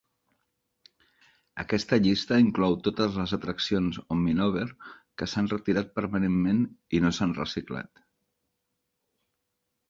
Aquesta llista inclou totes les atraccions Omnimover que s'han retirat permanentment i no s'han reciclat.